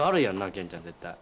健ちゃん絶対。